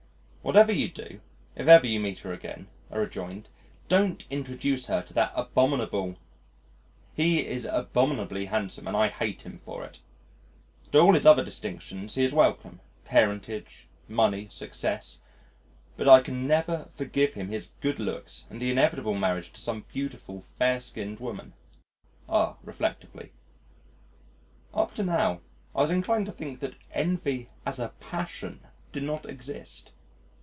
"Whatever you do, if ever you meet her again," I rejoined, "don't introduce her to that abominable . He is abominably handsome, and I hate him for it. To all his other distinctions he is welcome parentage, money, success, but I can never forgive him his good looks and the inevitable marriage to some beautiful fair skinned woman." R. (reflectively): "Up to now, I was inclined to think that envy as a passion did not exist."